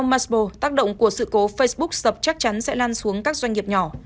theo maspel tác động của sự cố facebook sập chắc chắn sẽ lan xuống các doanh nghiệp nhỏ